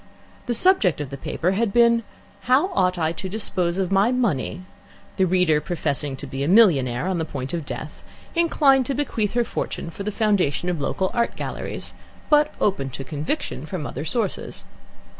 The subject of the paper had been, "How ought I to dispose of my money?" the reader professing to be a millionaire on the point of death, inclined to bequeath her fortune for the foundation of local art galleries, but open to conviction from other sources.